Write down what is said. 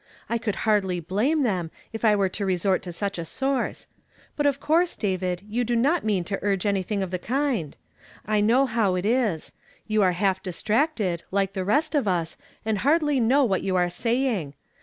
I could hardly blame them, were I to resort to such a source. But of course, David, you do not mean to urge anything of the kind. I know liow it is : you are half distracted, like the rest of us, and hardly know what you are saying.